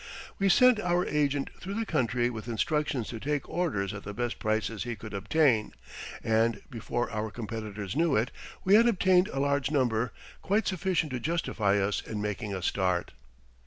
We sent our agent through the country with instructions to take orders at the best prices he could obtain; and before our competitors knew it, we had obtained a large number quite sufficient to justify us in making a start.